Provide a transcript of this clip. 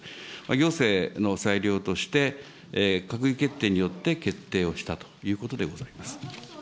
行政の裁量として、閣議決定によって決定をしたということでございます。